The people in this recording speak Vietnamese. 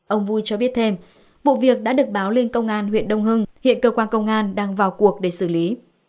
ông vui cho biết thêm vụ việc đã được báo lên công an huyện đông hưng hiện cơ quan công an đang vào cuộc để xử lý